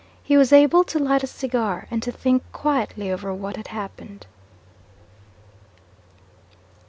He was able to light a cigar, and to think quietly over what had happened.